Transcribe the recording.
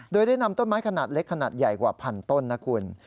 โดยได้นำต้นไม้ขนาดเล็กขนาดใหญ่กว่าพันต้นนะคุณ